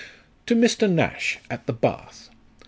" To Mr. NASH, at the Bath.